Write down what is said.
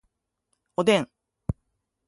おでん